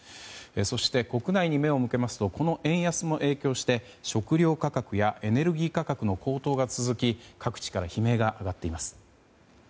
そして、国内に目を向けますとこの円安も影響して食料価格やエネルギー価格の高騰が続き各地から悲鳴が上がっています。